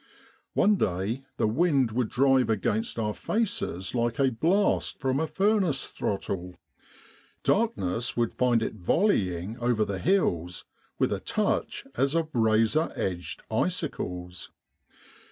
One day the wind would drive against our faces like a blast from a furnace throttle ; darkness would find it volleying over the hills with a touch as 127 With the R.A.M.C. in Egypt of razor edged icicles.